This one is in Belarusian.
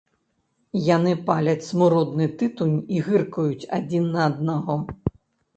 Яны паляць смуродны тытунь і гыркаюць адзін на аднаго.